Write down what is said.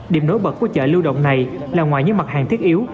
điểm nối bật của chợ lưu động này là ngoài những mặt hàng thiết yếu